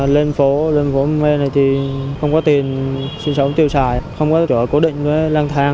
lên phố lên phố bên này thì không có tiền sinh sống tiêu xài không có chỗ cố định với lang thang